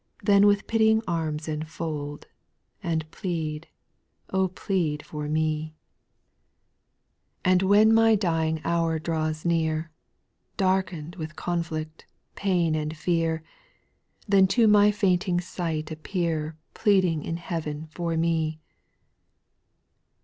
Then with pitying arms enfold. And plead, O pVeaOi iot tsv^. (5* 66 SPIRITUAL SONGS, 6. And when my dying hour draws near. Darkened with conflict, pain, and fear, Then to my fainting sight appear Pleading in heav'n for me.